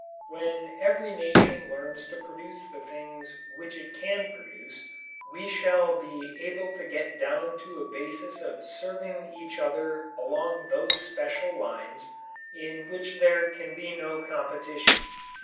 When every nation learns to produce the things which it can produce, we shall be able to get down to a basis of serving each other along those special lines in which there can be no competition.